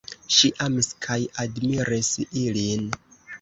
Ŝi amis kaj admiris ilin.